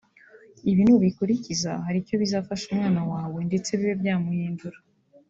Ibi nubikurikiza hari icyo bizafasha umwana wawe ndetse bibe byanamuhindura